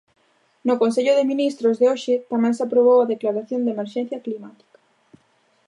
No Consello de Ministros de hoxe tamén se aprobou a declaración de emerxencia climática.